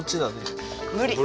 無理！